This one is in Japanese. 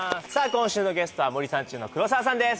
今週のゲストは森三中の黒沢さんです